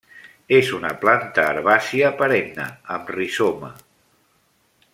És una planta herbàcia perenne, amb rizoma.